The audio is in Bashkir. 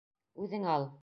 — Үҙең ал!